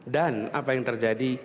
dan apa yang terjadi